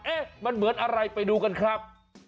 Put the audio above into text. เอ๊ะมันเหมือนอะไรไปดูกันครับ